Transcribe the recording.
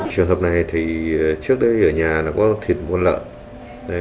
trường hợp này thì trước đấy ở nhà có thịt mua lợn